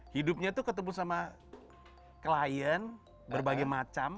hidupnya tuh ketemu sama klien berbagai macam